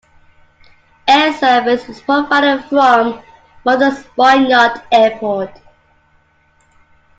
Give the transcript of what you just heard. Air Service is provided from Martha's Vineyard Airport.